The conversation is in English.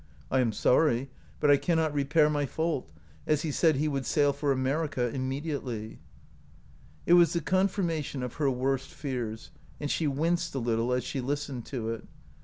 I am sorry, but I cannot repair my fault, as he said he would sail for America immediately." It was the confirmation of her worst fears, and she winced a little as she listened to it.